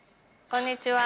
こんにちは。